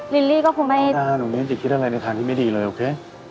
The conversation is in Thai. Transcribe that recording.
ลิลลี่ก็คงไม่เอาล่ะนุ่งนี้จะคิดอะไรในทางที่ไม่ดีเลยโอเค